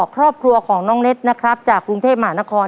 ครอบครัวของน้องเน็ตนะครับจากกรุงเทพมหานคร